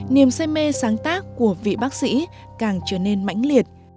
niềm say mê sáng tác của vị bác sĩ càng trở nên mãnh liệt